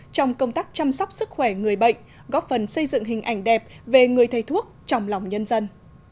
trong công tác chăm sóc sức khỏe người bệnh góp phần xây dựng hình ảnh đẹp về người thầy thuốc trong lòng nhân dân